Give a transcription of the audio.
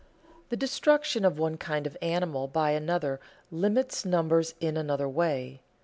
The destruction of one kind of animal by another limits numbers in another way.